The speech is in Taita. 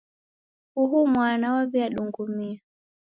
Uhu mwana waw'iadungumia.